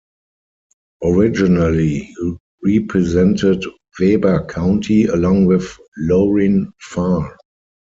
Originally, he represented Weber County along with Lorin Farr.